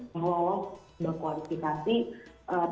melalui kualifikasi tertulisnya dan kami diundang secara resmi